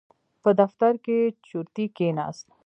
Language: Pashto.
په دفتر کې چورتي کېناست.